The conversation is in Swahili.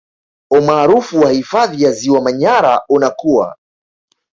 Umaarufu wa hifadhi ya Ziwa Manyara unakua